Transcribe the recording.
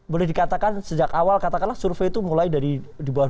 boleh dikatakan sejak awal katakanlah survei itu mulai dari di bawah